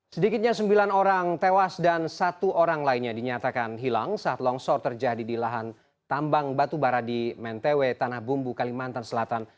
sedikitnya sembilan orang tewas dan satu orang lainnya dinyatakan hilang saat longsor terjadi di lahan tambang batubara di mentewe tanah bumbu kalimantan selatan